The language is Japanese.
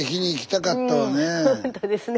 ほんとですね。